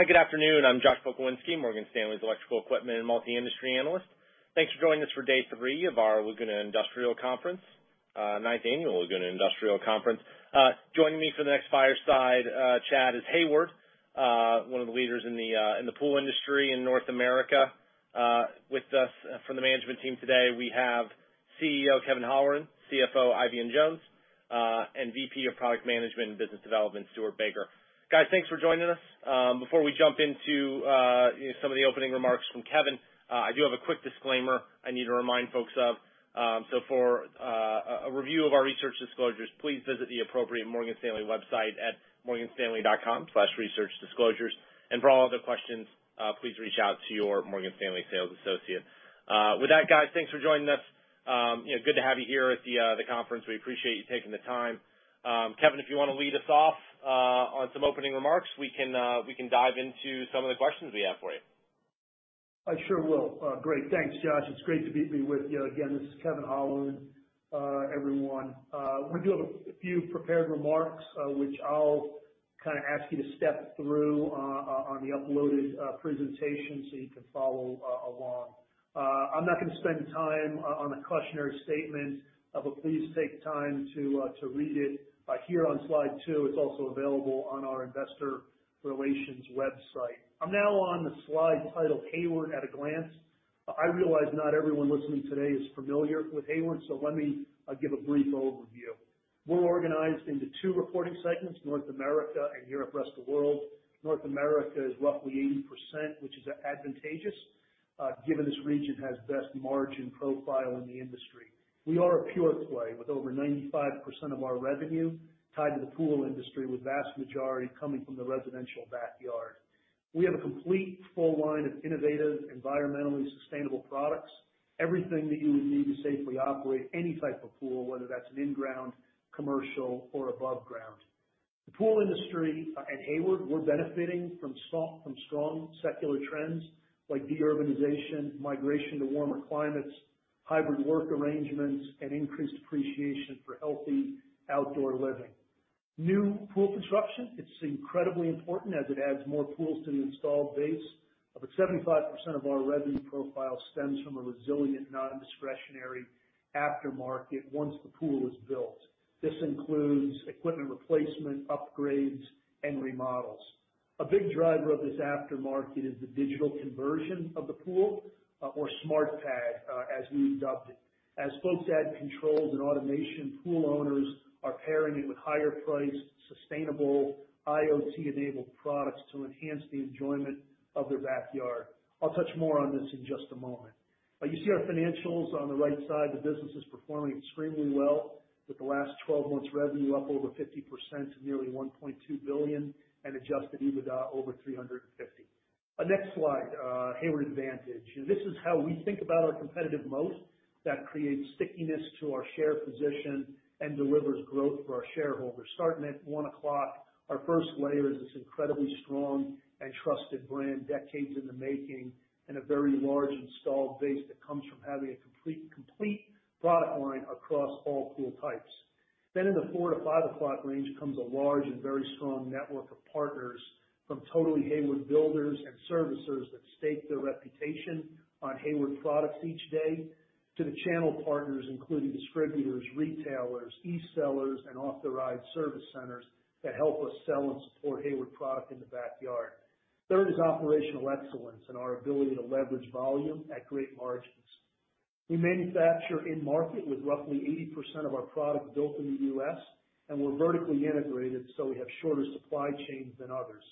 Hi, good afternoon. I'm Josh Pokrzywinski, Morgan Stanley's electrical equipment and multi-industry analyst. Thanks for joining us for Day 3 of our Laguna Industrial Conference, 9th Annual Laguna Industrial Conference. Joining me for the next fireside chat is Hayward, one of the leaders in the pool industry in North America. With us from the management team today, we have CEO, Kevin Holleran, CFO, Eifion Jones, and VP of Product Management and Business Development, Stuart Baker. Guys, thanks for joining us. Before we jump into some of the opening remarks from Kevin, I do have a quick disclaimer I need to remind folks of. For a review of our research disclosures, please visit the appropriate Morgan Stanley website at morganstanley.com/researchdisclosures, and for all other questions, please reach out to your Morgan Stanley sales associate. With that, guys, thanks for joining us. Good to have you here at the conference. We appreciate you taking the time. Kevin, if you want to lead us off on some opening remarks, we can dive into some of the questions we have for you. I sure will. Great. Thanks, Josh. It's great to be with you again. This is Kevin Holleran, everyone. We do have a few prepared remarks, which I'll kind of ask you to step through on the uploaded presentation so you can follow along. I'm not going to spend time on a cautionary statement, but please take time to read it here on slide two. It's also available on our investor relations website. I'm now on the slide titled Hayward at a Glance. I realize not everyone listening today is familiar with Hayward, so let me give a brief overview. We're organized into two reporting segments, North America and Europe/rest of world. North America is roughly 80%, which is advantageous, given this region has best margin profile in the industry. We are a pure play with over 95% of our revenue tied to the pool industry, with vast majority coming from the residential backyard. We have a complete full line of innovative, environmentally sustainable products. Everything that you would need to safely operate any type of pool, whether that's an in-ground, commercial, or above ground. The pool industry and Hayward, we're benefiting from strong secular trends like de-urbanization, migration to warmer climates, hybrid work arrangements, and increased appreciation for healthy outdoor living. New pool construction, it's incredibly important as it adds more pools to the installed base. About 75% of our revenue profile stems from a resilient non-discretionary aftermarket once the pool is built. This includes equipment replacement, upgrades, and remodels. A big driver of this aftermarket is the digital conversion of the pool, or SmartPad, as we adopt it. As folks add controls and automation, pool owners are pairing it with higher priced, sustainable IoT-enabled products to enhance the enjoyment of their backyard. I'll touch more on this in just a moment. You see our financials on the right side. The business is performing extremely well, with the last 12 months revenue up over 50% to nearly $1.2 billion and adjusted EBITDA over $350. Next slide. Hayward Advantage. This is how we think about our competitive moat that creates stickiness to our share position and delivers growth for our shareholders. Starting at one o'clock, our first layer is this incredibly strong and trusted brand, decades in the making, and a very large installed base that comes from having a complete product line across all pool types. In the four to five o'clock range comes a large and very strong network of partners, from Totally Hayward builders and servicers that stake their reputation on Hayward products each day, to the channel partners, including distributors, retailers, e-sellers, and authorized service centers that help us sell and support Hayward product in the backyard. Third is operational excellence and our ability to leverage volume at great margins. We manufacture in-market with roughly 80% of our product built in the U.S., and we're vertically integrated, so we have shorter supply chains than others.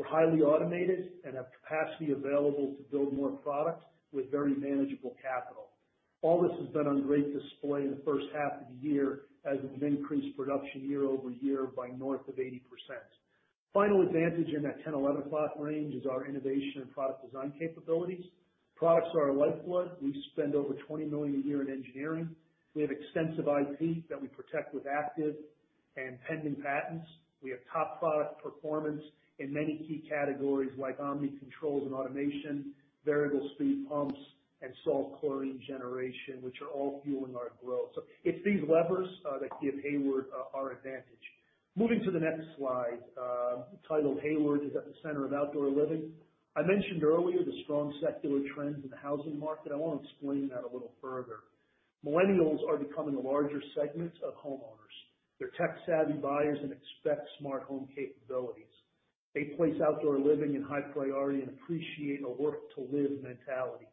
We're highly automated and have capacity available to build more products with very manageable capital. All this has been on great display in the first half of the year as we've increased production year-over-year by north of 80%. Final advantage in that 10, 11 o'clock range is our innovation and product design capabilities. Products are our lifeblood. We spend over $20 million a year in engineering. We have extensive IP that we protect with active and pending patents. We have top product performance in many key categories like Omni controls and automation, variable speed pumps, and salt chlorine generation, which are all fueling our growth. It's these levers that give Hayward our advantage. Moving to the next slide, titled Hayward is at the Center of Outdoor Living. I mentioned earlier the strong secular trends in the housing market. I want to explain that a little further. Millennials are becoming a larger segment of homeowners. They're tech-savvy buyers and expect smart home capabilities. They place outdoor living in high priority and appreciate a work-to-live mentality.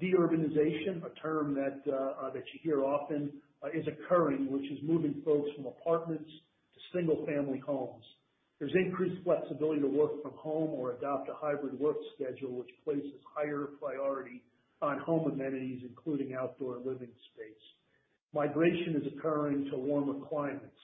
De-urbanization, a term that you hear often, is occurring, which is moving folks from apartments to single-family homes. There's increased flexibility to work from home or adopt a hybrid work schedule, which places higher priority on home amenities, including outdoor living space. Migration is occurring to warmer climates,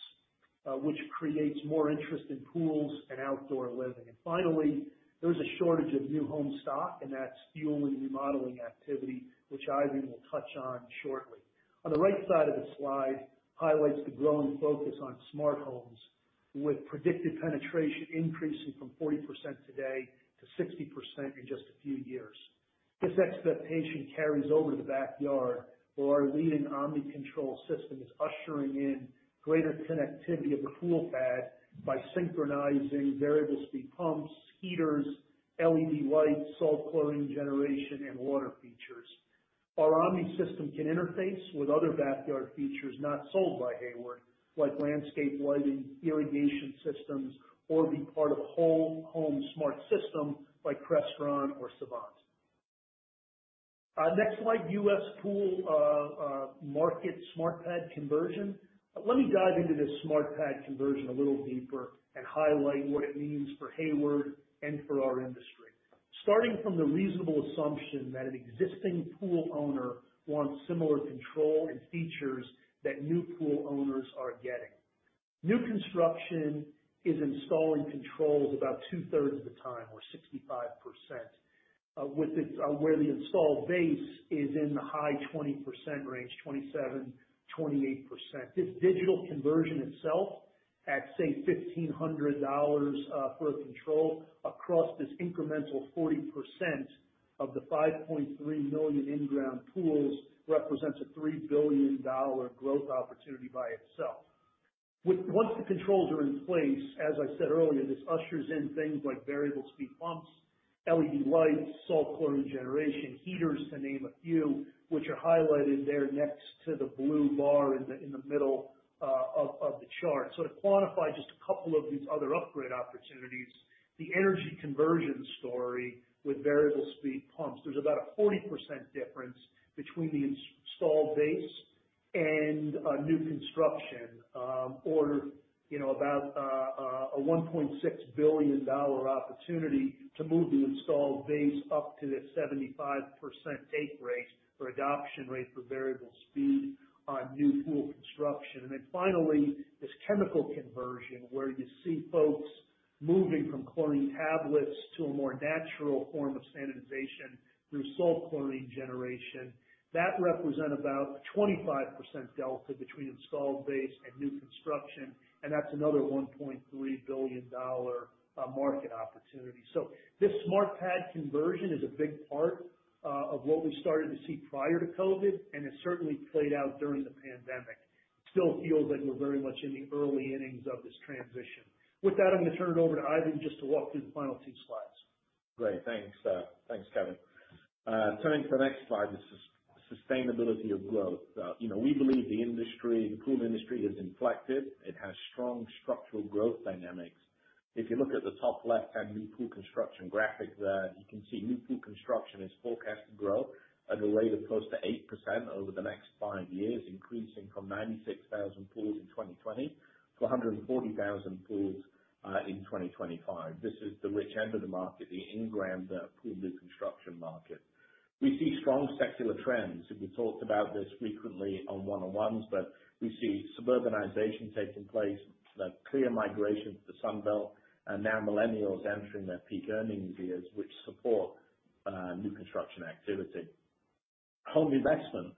which creates more interest in pools and outdoor living. Finally, there's a shortage of new home stock, and that's fueling remodeling activity, which Eifion will touch on shortly. On the right side of the slide highlights the growing focus on smart homes with predicted penetration increasing from 40% today to 60% in just a few years. This expectation carries over to the backyard, where our leading Omni control system is ushering in greater connectivity of the pool pad by synchronizing variable speed pumps, heaters, LED lights, salt chlorine generation, and water features. Our Omni system can interface with other backyard features not sold by Hayward, like landscape lighting, irrigation systems, or be part of whole home smart system like Crestron or Savant. Next slide, U.S. pool market SmartPad conversion. Let me dive into this SmartPad conversion a little deeper and highlight what it means for Hayward and for our industry. Starting from the reasonable assumption that an existing pool owner wants similar control and features that new pool owners are getting. New construction is installing controls about 2/3 of the time, or 65%, where the installed base is in the high 20% range, 27%, 28%. This digital conversion itself, at say $1,500 for a control across this incremental 40% of the 5.3 million in-ground pools, represents a $3 billion growth opportunity by itself. Once the controls are in place, as I said earlier, this ushers in things like variable speed pumps, LED lights, salt chlorine generation heaters, to name a few, which are highlighted there next to the blue bar in the middle of the chart. To quantify just a couple of these other upgrade opportunities, the energy conversion story with variable speed pumps, there's about a 40% difference between the installed base and new construction. About a $1.6 billion opportunity to move the installed base up to the 75% take rate or adoption rate for variable speed on new pool construction. Then finally, this chemical conversion, where you see folks moving from chlorine tablets to a more natural form of sanitization through salt chlorine generation. That represent about a 25% delta between installed base and new construction. That's another $1.3 billion market opportunity. This SmartPad conversion is a big part of what we started to see prior to COVID, and it certainly played out during the pandemic. Still feels like we're very much in the early innings of this transition. With that, I'm going to turn it over to Eifion just to walk through the final two slides. Great. Thanks, Kevin. Turning to the next slide, the sustainability of growth. We believe the pool industry has inflected. It has strong structural growth dynamics. If you look at the top left-hand new pool construction graphic there, you can see new pool construction is forecast to grow at a rate of close to 8% over the next five years, increasing from 96,000 pools in 2020 to 140,000 pools in 2025. This is the rich end of the market, the in-ground pool new construction market. We see strong secular trends, and we talked about this frequently on one-on-ones, but we see suburbanization taking place, the clear migration to the Sun Belt, and now millennials entering their peak earnings years, which support new construction activity. Home investment,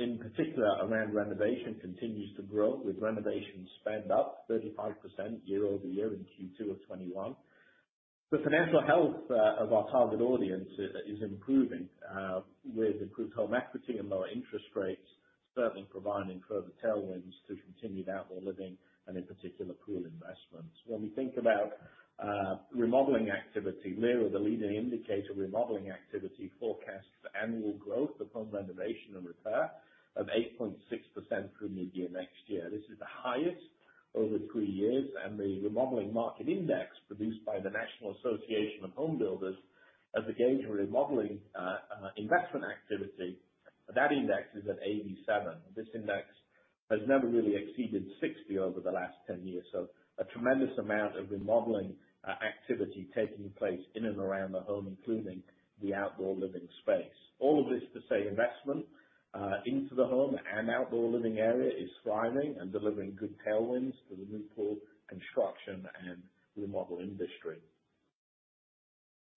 in particular around renovation, continues to grow, with renovation spend up 35% year-over-year in Q2 of 2021. The financial health of our target audience is improving, with improved home equity and lower interest rates certainly providing further tailwinds to continued outdoor living and, in particular, pool investments. When we think about remodeling activity, LIRA, the leading indicator of remodeling activity, forecasts annual growth upon renovation and repair of 8.6% through mid-year next year. This is the highest over three years, and the Remodeling Market Index, produced by the National Association of Home Builders as a gauge of remodeling investment activity, that index is at 87. This index has never really exceeded 60 over the last 10 years. A tremendous amount of remodeling activity taking place in and around the home, including the outdoor living space. All of this to say investment into the home and outdoor living area is thriving and delivering good tailwinds for the new pool construction and remodel industry.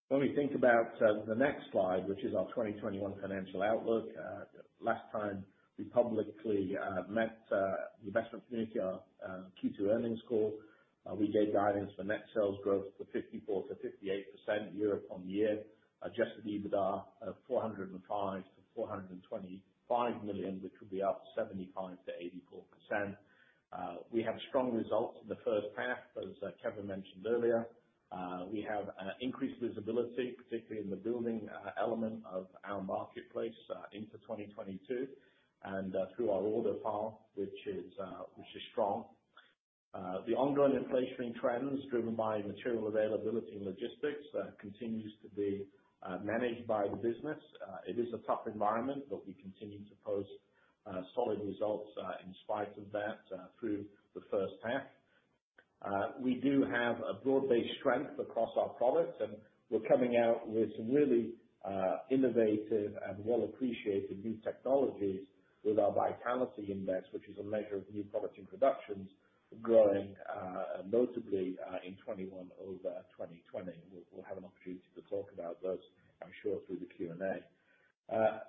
When we think about the next slide, which is our 2021 financial outlook. Last time we publicly met the investment community on our Q2 earnings call, we gave guidance for net sales growth of 54%-58% year-over-year. Adjusted EBITDA of $405 million-$425 million, which will be up 75%-84%. We have strong results for the first half, as Kevin mentioned earlier. We have increased visibility, particularly in the building element of our marketplace into 2022 and through our order file, which is strong. The ongoing inflation trends driven by material availability and logistics continues to be managed by the business. We continue to post solid results in spite of that through the first half. We do have a broad-based strength across our products, and we're coming out with some really innovative and well-appreciated new technologies with our Vitality Index, which is a measure of new product introductions growing notably in 2021 over 2020. We'll have an opportunity to talk about those, I'm sure, through the Q&A.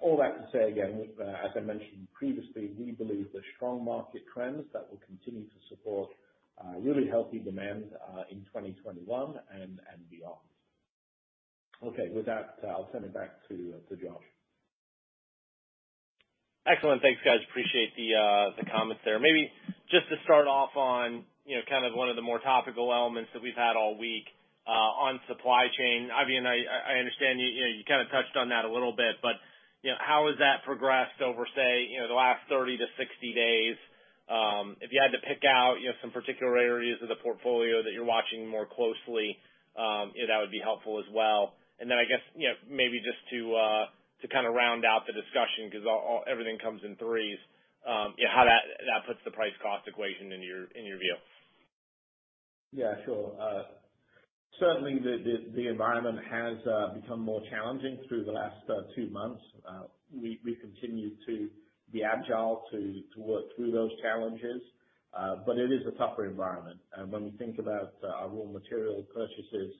All that to say, again, as I mentioned previously, we believe the strong market trends that will continue to support really healthy demand in 2021 and beyond. Okay. With that, I'll send it back to Josh. Excellent. Thanks, guys. Appreciate the comments there. Maybe just to start off on one of the more topical elements that we've had all week on supply chain. I mean, I understand you touched on that a little bit. How has that progressed over, say, the last 30 to 60 days? If you had to pick out some particular areas of the portfolio that you're watching more closely, that would be helpful as well. I guess, maybe just to round out the discussion, because everything comes in threes, how that puts the price-cost equation in your view. Yeah, sure. Certainly, the environment has become more challenging through the last two months. We continue to be agile to work through those challenges. It is a tougher environment. When we think about our raw material purchases,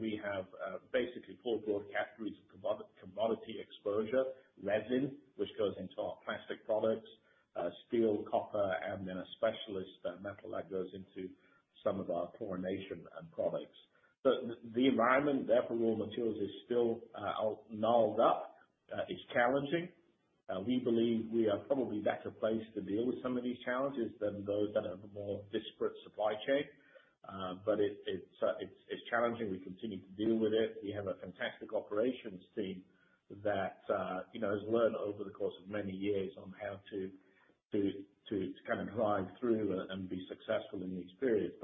we have basically four broad categories of commodity exposure. Resin, which goes into our plastic products, steel, copper, and then a specialist metal that goes into some of our pool automation end products. The environment there for raw materials is still gnarled up. It's challenging. We believe we are probably better placed to deal with some of these challenges than those that have a more disparate supply chain. It's challenging. We continue to deal with it. We have a fantastic operations team that has learned over the course of many years on how to grind through and be successful in these periods.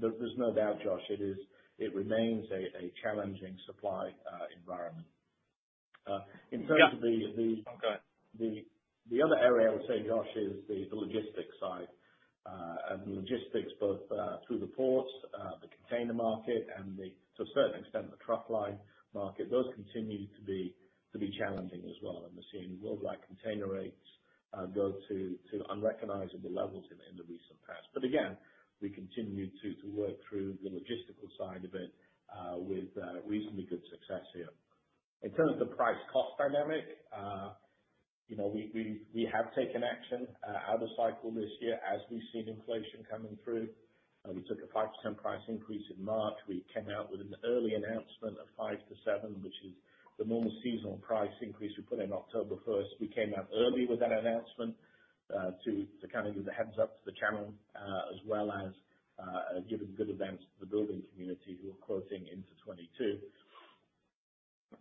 There's no doubt, Josh, it remains a challenging supply environment. Yeah. In terms of the the other area I would say, Josh, is the logistics side. The logistics both through the ports, the container market, and to a certain extent, the truck line market, those continue to be challenging as well, and we're seeing worldwide container rates go to unrecognizable levels in the recent past. Again, we continue to work through the logistical side of it with reasonably good success here. In terms of the price-cost dynamic, we have taken action out of cycle this year as we've seen inflation coming through. We took a 5% price increase in March. We came out with an early announcement of 5%-7%, which is the normal seasonal price increase we put in October 1st. We came out early with that announcement to give the heads-up to the channel, as well as giving good advance to the building community who are quoting into 2022.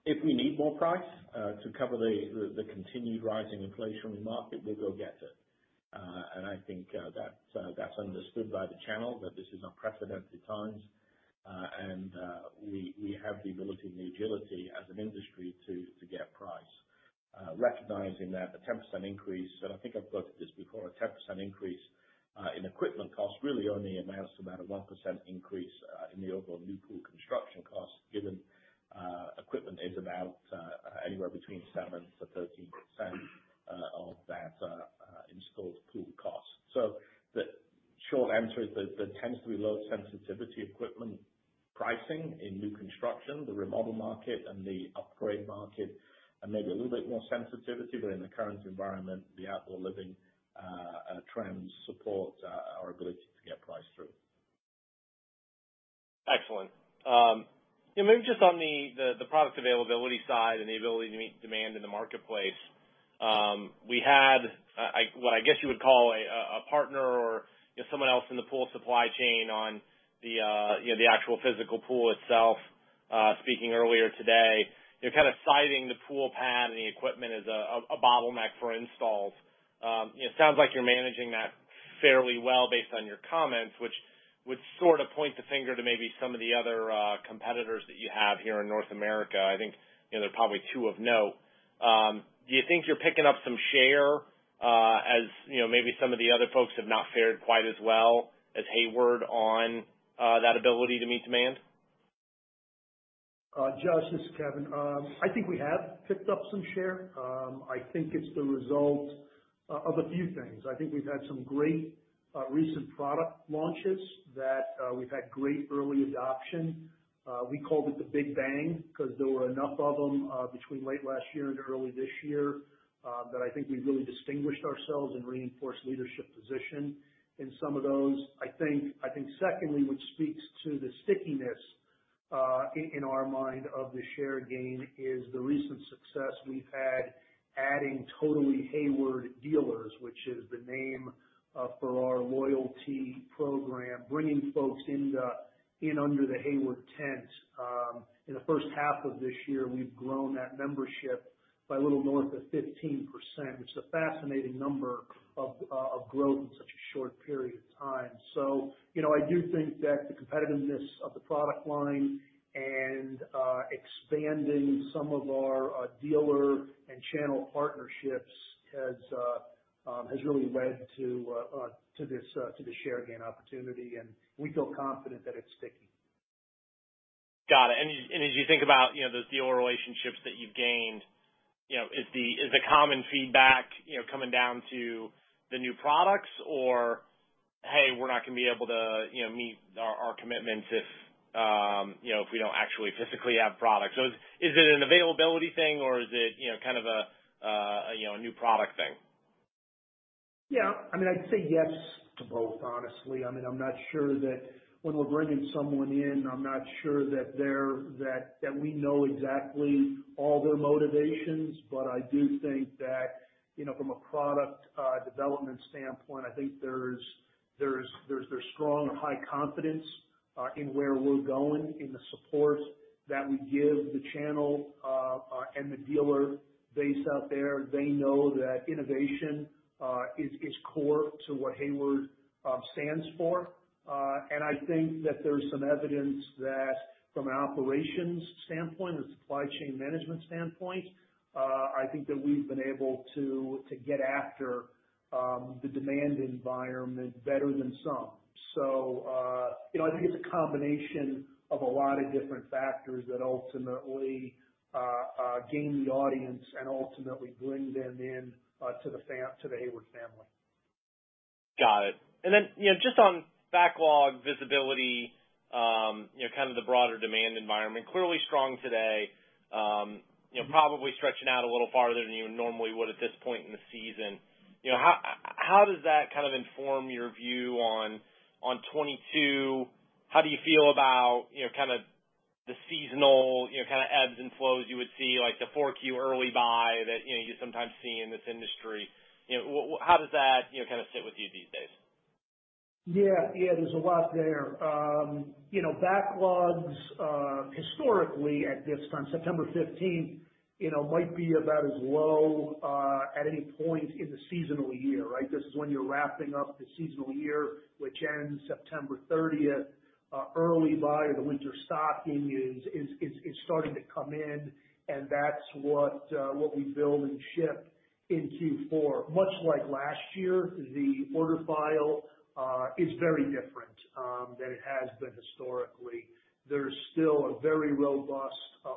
If we need more price to cover the continued rising inflationary market, we'll go get it. I think that's understood by the channel, that this is unprecedented times. We have the ability and the agility as an industry to get price. Recognizing that a 10% increase, and I think I've quoted this before, a 10% increase in equipment costs really only amounts to about a 1% increase in the overall new pool construction cost, given equipment is about anywhere between 7%-13% of that installed pool cost. The short answer is that there tends to be low sensitivity equipment pricing in new construction. The remodel market and the upgrade market are maybe a little bit more sensitivity, but in the current environment, the outdoor living trends support our ability to get price through. Excellent. Maybe just on the product availability side and the ability to meet demand in the marketplace. We had what I guess you would call a partner or someone else in the pool supply chain on the actual physical pool itself speaking earlier today, citing the pool pad and the equipment as a bottleneck for installs. It sounds like you're managing that fairly well based on your comments, which would sort of point the finger to maybe some of the other competitors that you have here in North America. I think there are probably two of note. Do you think you're picking up some share, as maybe some of the other folks have not fared quite as well as Hayward on that ability to meet demand? Josh, this is Kevin. I think we have picked up some share. I think it's the result of a few things. I think we've had some great recent product launches that we've had great early adoption. We called it the Big Bang because there were enough of them between late last year and early this year, that I think we really distinguished ourselves and reinforced leadership position in some of those. I think secondly, which speaks to the stickiness in our mind of the share gain, is the recent success we've had adding Totally Hayward dealers, which is the name for our loyalty program, bringing folks in under the Hayward tent. In the first half of this year, we've grown that membership by a little north of 15%, which is a fascinating number of growth in such a short period of time. I do think that the competitiveness of the product line and expanding some of our dealer and channel partnerships has really led to this share gain opportunity, and we feel confident that it is sticking. Got it. As you think about those dealer relationships that you've gained, is the common feedback coming down to the new products or "Hey, we're not going to be able to meet our commitments if we don't actually physically have product"? Is it an availability thing or is it kind of a new product thing? Yeah. I'd say yes to both, honestly. When we're bringing someone in, I'm not sure that we know exactly all their motivations. I do think that from a product development standpoint, I think there's strong high confidence in where we're going, in the support that we give the channel and the dealer base out there. They know that innovation is core to what Hayward stands for. I think that there's some evidence that from an operations standpoint, a supply chain management standpoint, I think that we've been able to get after the demand environment better than some. I think it's a combination of a lot of different factors that ultimately gain the audience and ultimately bring them in to the Hayward family. Got it. Just on backlog visibility, kind of the broader demand environment. Clearly strong today. Probably stretching out a little farther than you normally would at this point in the season. How does that kind of inform your view on 2022? How do you feel about kind of the seasonal ebbs and flows you would see, like the 4Q early buy that you sometimes see in this industry? How does that kind of sit with you these days? Yeah, there's a lot there. Backlogs, historically at this, on September 15th, might be about as low at any point in the seasonal year, right? This is when you're wrapping up the seasonal year, which ends September 30th. Early buy or the winter stocking is starting to come in. That's what we build and ship in Q4. Much like last year, the order file is very different than it has been historically. There's still a very robust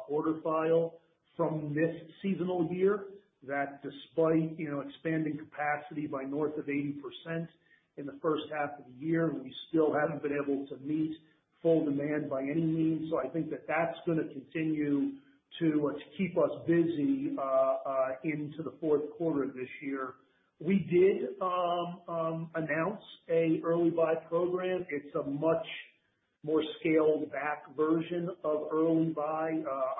order file from this seasonal year that despite expanding capacity by north of 80% in the first half of the year, we still haven't been able to meet full demand by any means. I think that that's going to continue to keep us busy into the fourth quarter of this year. We did announce an Early Buy program. It's a much more scaled back version of early buy.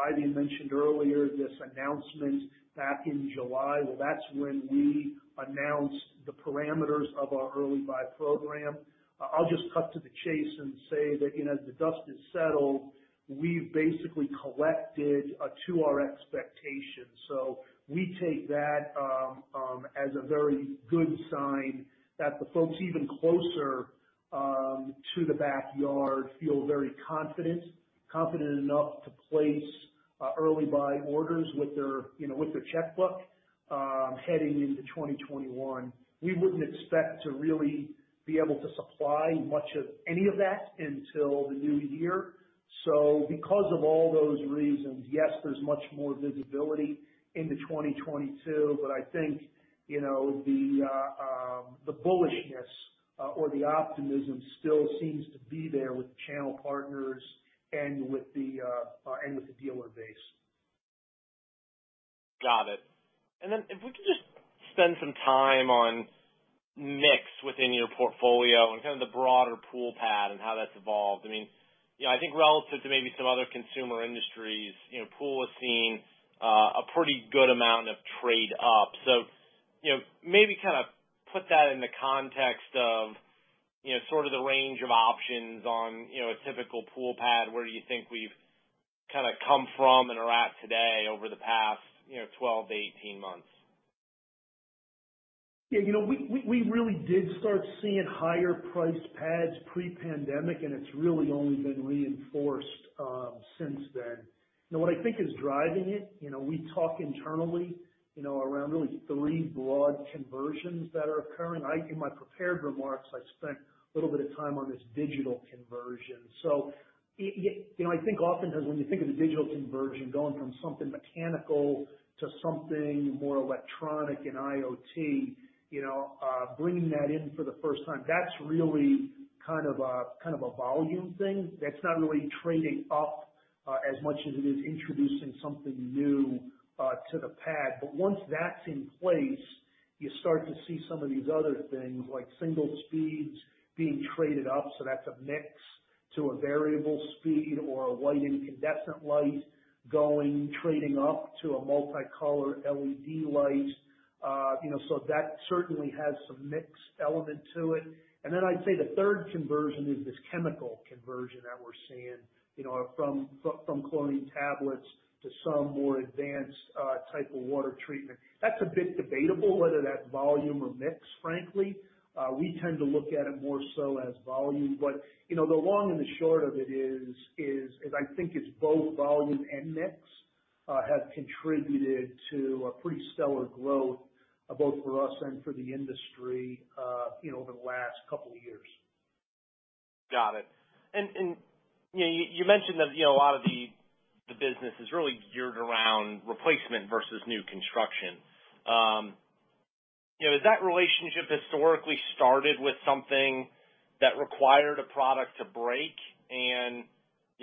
Eifion mentioned earlier this announcement back in July. That's when we announced the parameters of our Early Buy program. I'll just cut to the chase and say that as the dust has settled, we've basically collected to our expectations. We take that as a very good sign that the folks even closer to the backyard feel very confident. Confident enough to place early buy orders with their checkbook heading into 2021. We wouldn't expect to really be able to supply much of any of that until the new year. Because of all those reasons, yes, there's much more visibility into 2022. I think the bullishness or the optimism still seems to be there with channel partners and with the dealer base. Got it. If we could just spend some time on mix within your portfolio and kind of the broader pool pad and how that's evolved. I think relative to maybe some other consumer industries, pool is seeing a pretty good amount of trade up. Maybe kind of put that in the context of sort of the range of options on a typical pool pad. Where do you think we've kind of come from and are at today over the past 12 to 18 months? Yeah. We really did start seeing higher priced pads pre-pandemic, and it's really only been reinforced since then. What I think is driving it, we talk internally around really three broad conversions that are occurring. In my prepared remarks, I spent a little bit of time on this digital conversion. I think oftentimes when you think of the digital conversion, going from something mechanical to something more electronic and IoT, bringing that in for the first time, that's really kind of a volume thing. That's not really trading up as much as it is introducing something new to the pad. Once that's in place, you start to see some of these other things, like single speeds being traded up. That's a mix to a variable speed or a white incandescent light going, trading up to a multicolor LED light. That certainly has some mix element to it. Then I'd say the third conversion is this chemical conversion that we're seeing from chlorine tablets to some more advanced type of water treatment. That's a bit debatable whether that's volume or mix, frankly. We tend to look at it more so as volume. The long and the short of it is I think it's both volume and mix have contributed to a pretty stellar growth, both for us and for the industry over the last couple of years. Got it. You mentioned that a lot of the business is really geared around replacement versus new construction. Has that relationship historically started with something that required a product to break?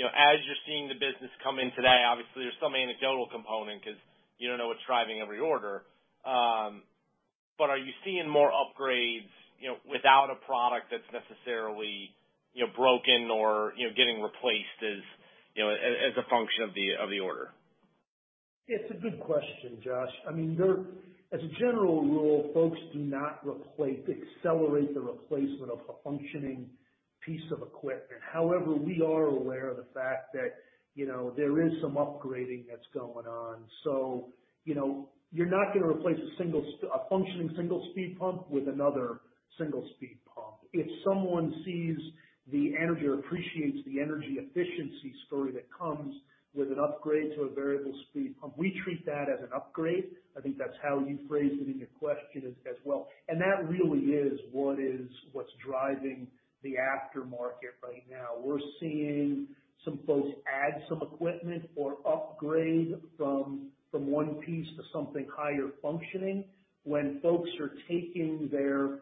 As you're seeing the business come in today, obviously, there's some anecdotal component because you don't know what's driving every order. Are you seeing more upgrades without a product that's necessarily broken or getting replaced as a function of the order? It's a good question, Josh. As a general rule, folks do not accelerate the replacement of a functioning piece of equipment. However, we are aware of the fact that there is some upgrading that's going on. You're not going to replace a functioning single speed pump with another single speed pump. If someone sees the energy or appreciates the energy efficiency story that comes with an upgrade to a variable speed pump, we treat that as an upgrade. I think that's how you phrased it in your question as well. That really is what's driving the aftermarket right now. We're seeing some folks add some equipment or upgrade from one piece to something higher functioning. When folks are taking their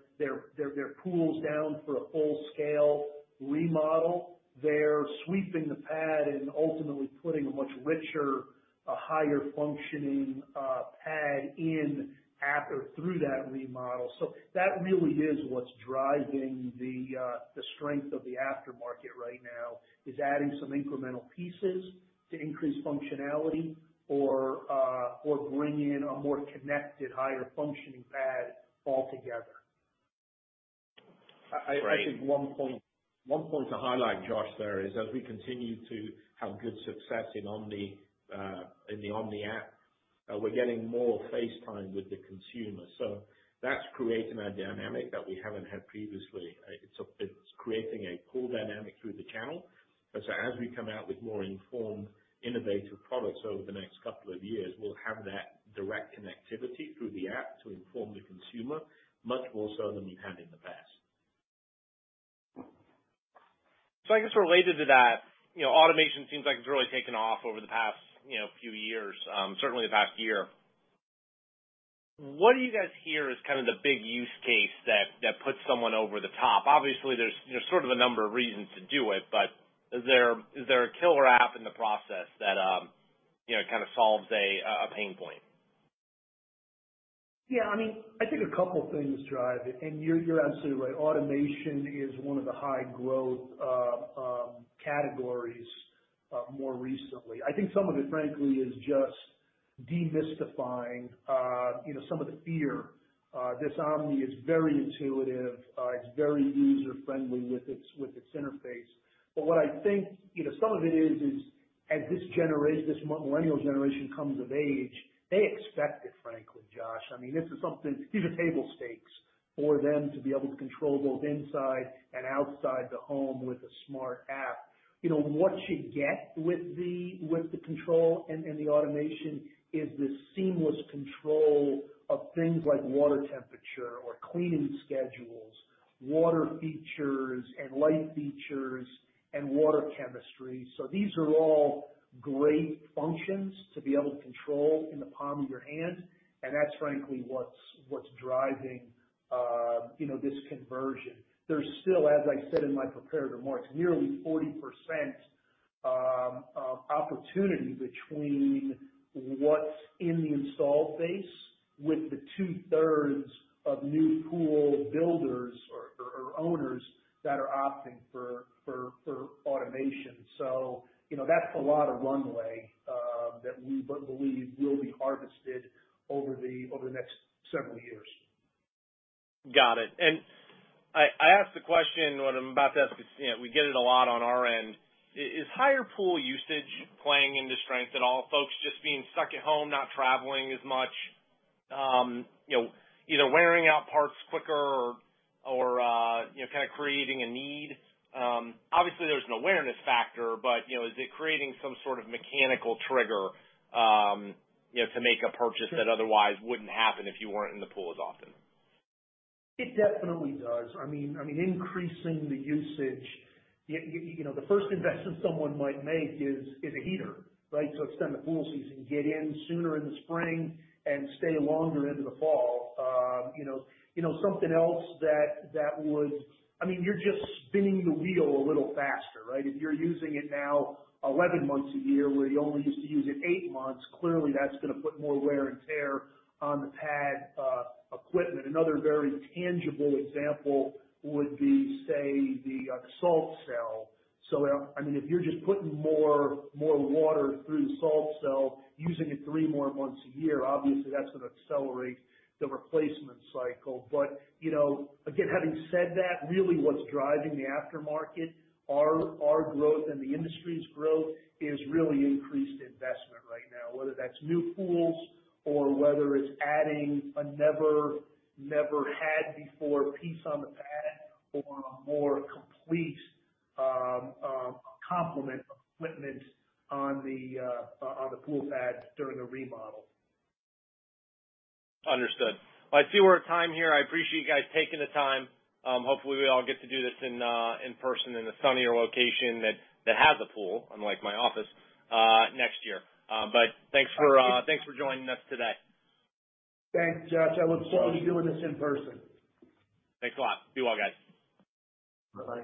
pools down for a full-scale remodel, they're sweeping the pad and ultimately putting a much richer, higher functioning pad in through that remodel. That really is what's driving the strength of the aftermarket right now, is adding some incremental pieces to increase functionality or bring in a more connected, higher functioning pad altogether. Great. I think one point to highlight, Josh, there is as we continue to have good success in the Omni app, we're getting more face time with the consumer. That's creating a dynamic that we haven't had previously. It's creating a cool dynamic through the channel. As we come out with more informed, innovative products over the next couple of years, we'll have that direct connectivity through the app to inform the consumer much more so than we've had in the past. I guess related to that, automation seems like it's really taken off over the past few years, certainly the past year. What do you guys hear is kind of the big use case that puts someone over the top? Obviously, there's sort of a number of reasons to do it, but is there a killer app in the process that kind of solves a pain point? Yeah. I think a couple of things drive it, and you're absolutely right. Automation is one of the high growth categories more recently. I think some of it, frankly, is just demystifying some of the fear. This Omni is very intuitive. It's very user-friendly with its interface. What I think some of it is as this millennial generation comes of age, they expect it, frankly, Josh. These are table stakes for them to be able to control both inside and outside the home with a smart app. What you get with the control and the automation is this seamless control of things like water temperature or cleaning schedules, water features and light features and water chemistry. These are all great functions to be able to control in the palm of your hand, and that's frankly what's driving this conversion. There's still, as I said in my prepared remarks, nearly 40% of opportunity between what's in the installed base with the 2/3 of new pool builders or owners that are opting for automation. That's a lot of runway that we believe will be harvested over the next several years. Got it. I asked the question, what I'm about to ask, we get it a lot on our end. Is higher pool usage playing into strength at all? Folks just being stuck at home, not traveling as much, either wearing out parts quicker or kind of creating a need? Obviously, there's an awareness factor, but is it creating some sort of mechanical trigger to make a purchase that otherwise wouldn't happen if you weren't in the pool as often? It definitely does. Increasing the usage. The first investment someone might make is a heater. Extend the pool season, get in sooner in the spring and stay longer into the fall. You're just spinning the wheel a little faster. If you're using it now 11 months a year where you only used to use eight months, clearly that's going to put more wear and tear on the pad equipment. Another very tangible example would be, say, the salt cell. If you're just putting more water through the salt cell, using it three more months a year, obviously that's going to accelerate the replacement cycle. Again, having said that, really what's driving the aftermarket, our growth and the industry's growth is really increased investment right now, whether that's new pools or whether it's adding a never had before piece on the pad or a more complete complement of equipment on the pool pad during a remodel. Understood. I see we're at time here. I appreciate you guys taking the time. Hopefully we all get to do this in person in a sunnier location that has a pool, unlike my office, next year. Thanks for joining us today. Thanks, Josh. I look forward to doing this in person. Thanks a lot. Be well, guys. Bye.